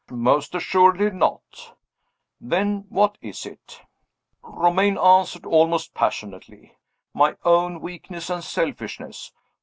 "Most assuredly not." "Then what is it?" Romayne answered, almost passionately: "My own weakness and selfishness!